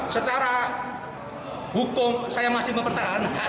secara hukum saya masih mempertahankan